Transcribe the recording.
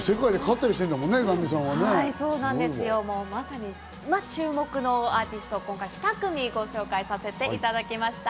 まさに今、注目のアーティストを今回２組、ご紹介させていただきました。